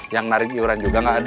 yang lari kiuran juga gak ada